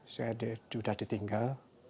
saya sudah ditinggal